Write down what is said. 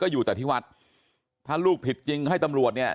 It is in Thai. อยู่แต่ที่วัดถ้าลูกผิดจริงให้ตำรวจเนี่ย